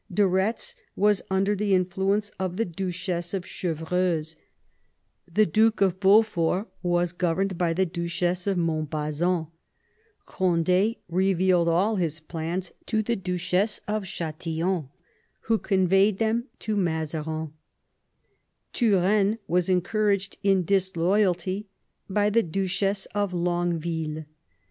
De Eetz was under the influence of the Duchess of Chevreuse ; the Duke of Beaufort was governed by the Duchess of Montbazon ; Cond^ revealed all his plans to the Duchess of Ch&tillon, who conveyed them to Mazarin ; Turenne was encouraged in disloyalty by the Duchess of Longue ville.